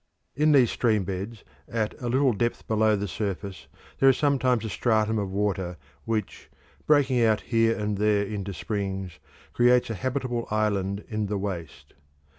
In these stream beds at a little depth below the surface there is sometimes a stratum of water which, breaking out here and there into springs, creates a habitable island in the waste.